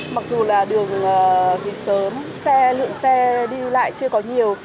mặc dù là đường đi sớm xe lượn xe đi lại chưa có nhiều